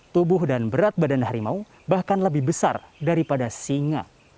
tubuh dan berat badan harimau bahkan lebih besar daripada singa